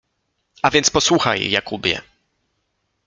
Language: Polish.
— A więc posłuchaj, Jakubie!